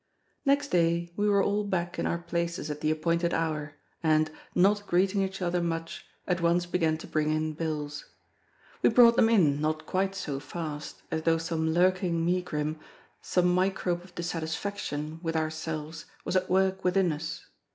Next day we were all back in our places at the appointed hour, and, not greeting each other much, at once began to bring in bills. We brought them in, not quite so fast, as though some lurking megrim, some microbe of dissatisfaction with ourselves was at work within us.